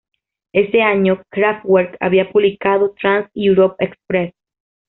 Ese año, "Kraftwerk" había publicado "Trans-Europe Express".